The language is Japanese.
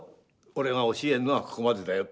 「俺が教えるのはここまでだよ」